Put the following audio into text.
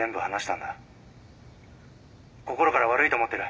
心から悪いと思ってる。